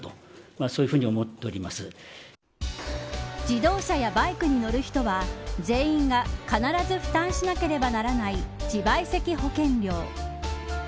自動車やバイクに乗る人は全員が必ず負担しなければならない自賠責保険料。